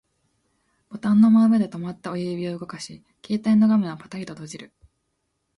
ボタンの真上で止まった親指を動かし、携帯の画面をパタリと閉じる